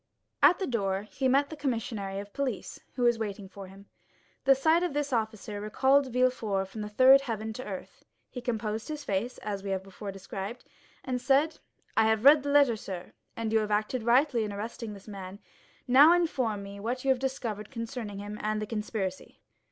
At the door he met the commissary of police, who was waiting for him. The sight of this officer recalled Villefort from the third heaven to earth; he composed his face, as we have before described, and said, "I have read the letter, sir, and you have acted rightly in arresting this man; now inform me what you have discovered concerning him and the conspiracy."